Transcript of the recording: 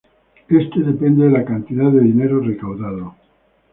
Este depende de la cantidad de dinero recaudado.